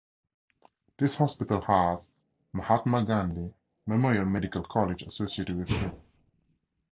This hospital has Mahatma Gandhi memorial medical college associated with it.